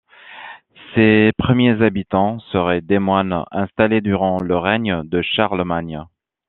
Ses premiers habitants seraient des moines installés durant le règne de Charlemagne.